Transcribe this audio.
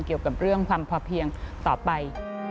เกี่ยวกับเรื่องความพอเพียงต่อไป